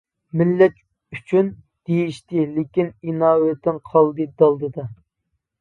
«مىللەت ئۈچۈن» دېيىشتى لېكىن، ئىناۋىتىڭ قالدى دالدىدا.